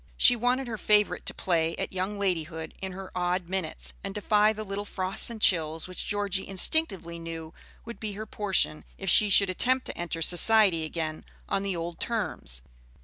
She wanted her favorite to play at young ladyhood in her odd minutes, and defy the little frosts and chills which Georgie instinctively knew would be her portion if she should attempt to enter society again on the old terms.